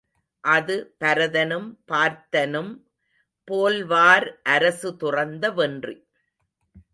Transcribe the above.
அது பரதனும் பார்த்தனும் போல்வார் அரசு துறந்த வென்றி.